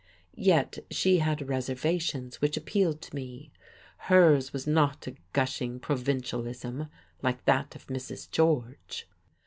Yet she had reservations which appealed to me. Hers was not a gushing provincialism, like that of Mrs. George.